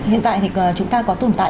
hiện tại thì chúng ta có tồn tại